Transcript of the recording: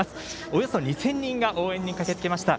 およそ２０００人が応援に駆けつけました。